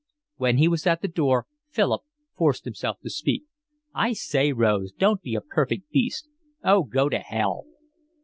When he was at the door Philip forced himself to speak. "I say, Rose, don't be a perfect beast." "Oh, go to hell."